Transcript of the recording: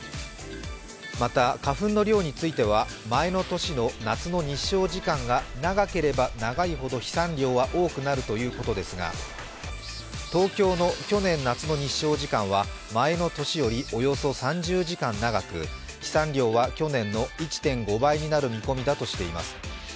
また花粉の量については前の年の夏の日照時間が長ければ長いほど飛散量は多くなるということですが東京の去年夏の日照時間は前の年よりおよそ３０時間長く飛散量は去年の１．５倍になる見込みだとしています。